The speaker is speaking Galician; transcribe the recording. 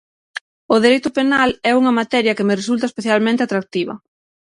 O Dereito Penal é unha materia que me resulta especialmente atractiva.